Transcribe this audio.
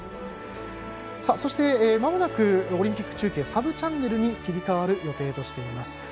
そしてまもなくオリンピック中継サブチャンネルに切り替わる予定としています。